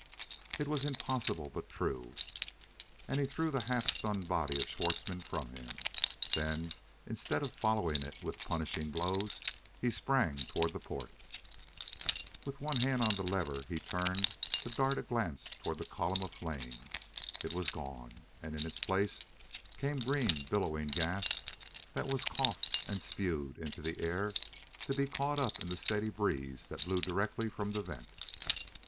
It was impossible, but true; and he threw the half stunned body of Schwartzmann from him. Then, instead of following it with punishing blows, he sprang toward the port. With one hand on the lever, he turned to dart a glance toward the column of flame. It was gone! And in its place came green, billowing gas that was coughed and spewed into the air to be caught up in the steady breeze that blew directly from the vent.